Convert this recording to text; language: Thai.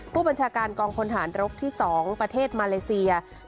ผู้บัญชาการกองพลฐานรกที่๒ประเทศมาเลเซีย